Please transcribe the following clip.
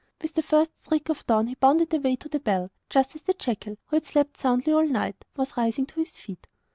With the first streak of dawn he bounded away to the bell, just as the jackal, who had slept soundly all night, was rising to his feet.